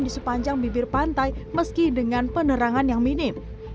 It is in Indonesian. di sepanjang bibir pantai meski dengan penerangan yang minim